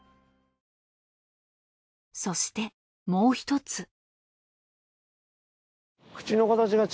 そしてもう一つ。